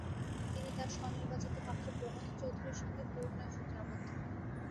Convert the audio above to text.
তিনি তাঁর স্বনির্বাচিত পাত্র প্রমথ চৌধুরীর সঙ্গে পরিণয়সূত্রে আবদ্ধ হন।